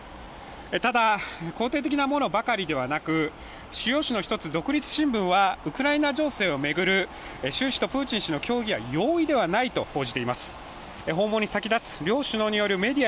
ただ、肯定的なものばかりではなく主要紙の１つ「独立新聞」はウクライナ情勢を巡る習氏とプーチン氏の協議は容易ではないと報じています。